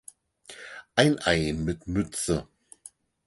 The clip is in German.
Ein Ei mit Mütze.